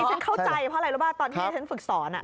พี่เซ็นเข้าใจเพราะอะไรรู้หรือเปล่าตอนพี่เซ็นฝึกสอน